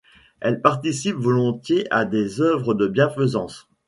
Elle participe volontiers à des œuvres de bienfaisance.